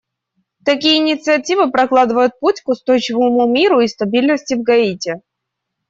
Такие инициативы прокладывают путь к устойчивому миру и стабильности в Гаити.